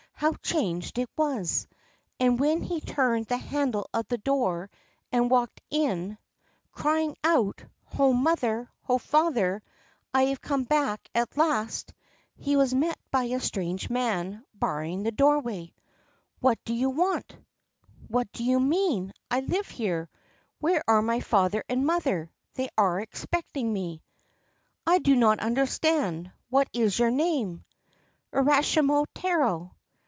How changed it was ! And, when he turned the handle of the door and walked in, crying out, ' Ho, mother ! ho, father I I have come back at last !' he was met by a strange man barring the doorway. ' What do you want ?' 'What do you mean? I live here. Where are my father and mother ? They are expecting me.' ' I do not understand. What is your name ?'' Urashima Taro.'